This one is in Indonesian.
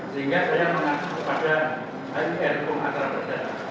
sehingga saya mengakses kepada irik dan hukum atara berdata